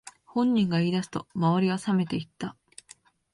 本人が言い出すと周りはさめていった